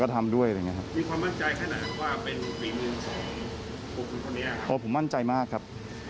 ผมมั่นใจมากครับ